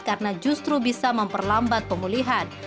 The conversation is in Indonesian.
karena justru bisa memperlambat pemulihan